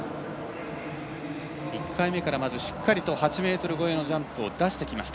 １回目からまずしっかりと８ｍ越えのジャンプを出してきました。